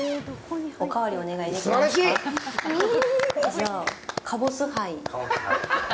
じゃあ、かぼすハイ。